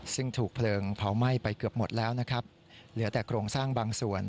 ซึ่งถูกเพลิงเผาไหม้ไปเกือบหมดแล้วนะครับเหลือแต่โครงสร้างบางส่วน